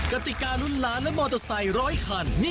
กติการุ่นล้านและมอเตอร์ไซค์๑๐๐คัน